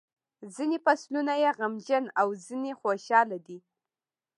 ځینې فصلونه یې غمجن او ځینې خوشاله دي.